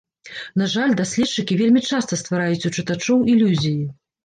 На жаль, даследчыкі вельмі часта ствараюць у чытачоў ілюзіі.